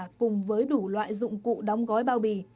và cùng với đủ loại dụng cụ đóng gói bao bì